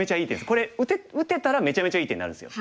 これ打てたらめちゃめちゃいい手になるんですよ。